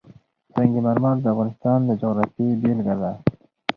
سنگ مرمر د افغانستان د جغرافیې بېلګه ده.